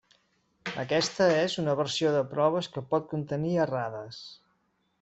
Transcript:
Aquesta és una versió de proves que pot contenir errades.